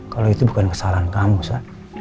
kalau itu bukan kesalahan kamu sih